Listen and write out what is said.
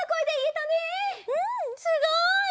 うんすごい！